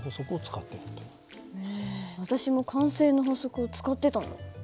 へえ私も慣性の法則を使ってたんだ。